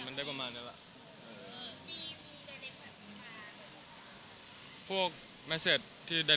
มีอะไรมีคำถามแบกที่บางคนก็จะเกี่ยวกันไหม